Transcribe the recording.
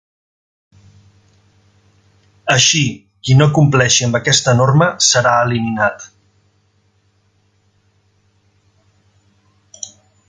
Així, qui no compleixi amb aquesta norma, serà eliminat.